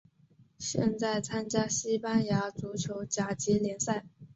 现在参加西班牙足球甲级联赛。